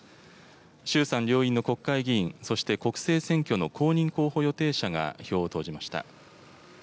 衆参両院の国会議員、そして国政選挙の公認候補予定者が票を投じました。